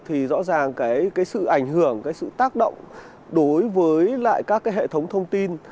thì rõ ràng sự ảnh hưởng sự tác động đối với các hệ thống thông tin